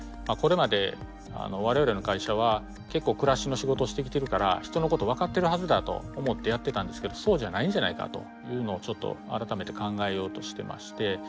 これまで我々の会社は結構暮らしの仕事をしてきてるから人のこと分かってるはずだと思ってやってたんですけどそうじゃないんじゃないかというのをちょっと改めて考えようとしてまして。